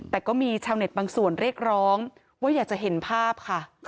แต่ก็มีชาวเน็ตบางส่วนเรียกร้องว่าอยากจะเห็นภาพค่ะ